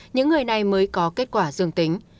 những người này mới có kết quả dương tính